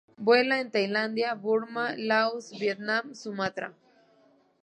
Vuela en Tailandia, Burma, Laos, Vietnam, Sumatra